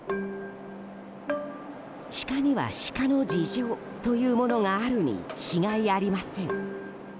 シカにはシカの事情というのがあるに違いありません。